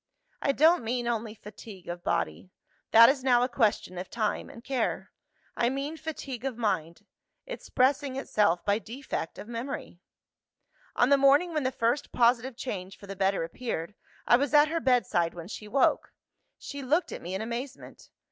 "I don't mean only fatigue of body: that is now a question of time and care. I mean fatigue of mind expressing itself by defect of memory. "On the morning when the first positive change for the better appeared, I was at her bedside when she woke. She looked at me in amazement.